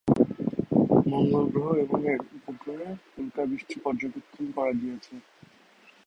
মঙ্গল গ্রহ এবং এর উপগ্রহে উল্কা বৃষ্টি পর্যবেক্ষন করা গিয়েছে।